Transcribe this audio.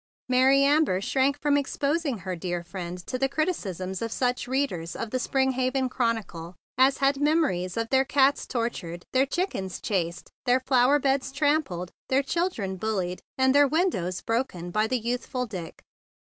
Mary Amber shrank from exposing her dear friend to the criticisms of such of the readers of The Springliaven Chronicle as had memories of their cats tortured, their chickens chased, their flower beds trampled, their children bullied, and their windows broken by the youth¬ ful Dick.